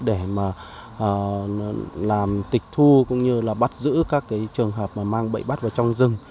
để làm tịch thu cũng như bắt giữ các trường hợp mang bẫy bắt vào trong rừng